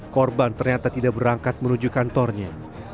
korban ternyata tidak berangkat menuju kantornya